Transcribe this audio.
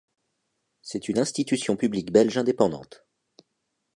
C'est une institution publique belge indépendante.